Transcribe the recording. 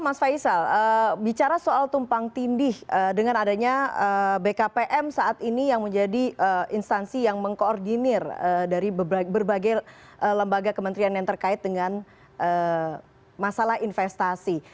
mas faisal bicara soal tumpang tindih dengan adanya bkpm saat ini yang menjadi instansi yang mengkoordinir dari berbagai lembaga kementerian yang terkait dengan masalah investasi